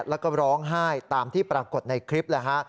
แล้วก็ร้องไห้ตามที่ปรากฏในคลิปแหละฮะ